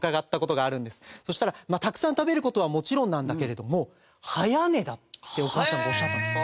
そうしたらたくさん食べる事はもちろんなんだけれども早寝だってお母さんがおっしゃったんです。